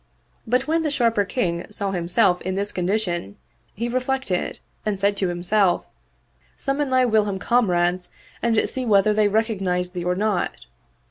But when the Sharper king saw himself in this condition, he reflected and said to himself, " Summon thy whilom com rades and see whether they recognize thee or not."